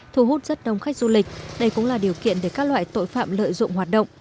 thu hút rất đông khách du lịch đây cũng là điều kiện để các loại tội phạm lợi dụng hoạt động